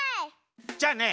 じゃあね